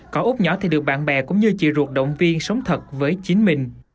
còn úp nhỏ thì được bạn bè cũng như chị ruột động viên sống thật với chính mình